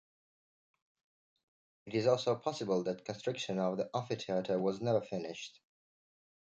It is also possible that construction of the amphitheatre was never finished.